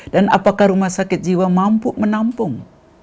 dan apakah rumah sakit jiwa mampu menampung